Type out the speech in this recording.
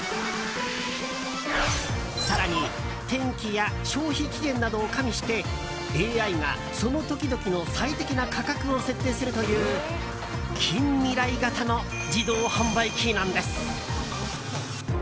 更に、天気や消費期限などを加味してＡＩがその時々の最適な価格を設定するという近未来型の自動販売機なんです。